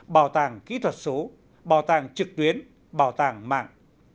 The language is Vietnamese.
bảo tàng kỹ thuật số bảo tàng trực tuyến bảo tàng mạng